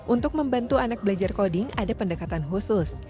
untuk membantu anak belajar koding ada pendekatan khusus